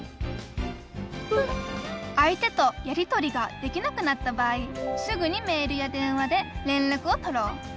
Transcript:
相手とやりとりができなくなった場合すぐにメールや電話で連絡をとろう。